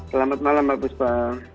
selamat malam mbak busba